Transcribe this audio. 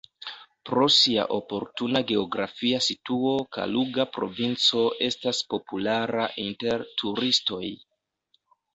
Pro sia oportuna geografia situo Kaluga provinco estas populara inter turistoj.